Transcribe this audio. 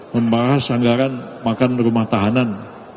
membahas anggaran makan rumah tahanan